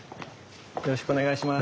よろしくお願いします。